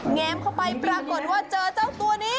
แง้มเข้าไปปรากฏว่าเจอเจ้าตัวนี้